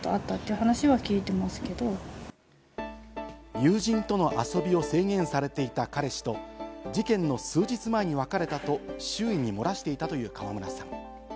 友人との遊びを制限されていた彼氏と事件の数日前に別れたと周囲にもらしていたという川村さん。